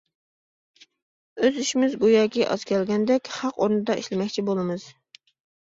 ئۆز ئىشىمىز گوياكى ئاز كەلگەندەك، خەق ئورنىدا ئىشلىمەكچى بولىمىز.